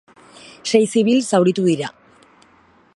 Sei zibil zauritu dira.